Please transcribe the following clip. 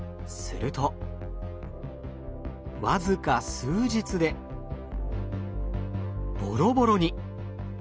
すると僅か数日でボロボロに！